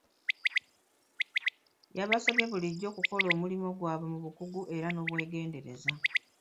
Yabasabye bulijjo okukola omulimu gwabwe mu bukugu era n'obwegendereza.